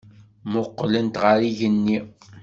Mmuqqlent ɣer yigenni.